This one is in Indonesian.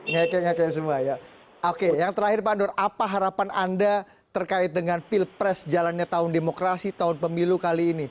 ngeke ngekek semua ya oke yang terakhir pak nur apa harapan anda terkait dengan pilpres jalannya tahun demokrasi tahun pemilu kali ini